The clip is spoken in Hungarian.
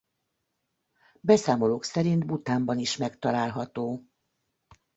Beszámolók szerint Bhutánban is megtalálható.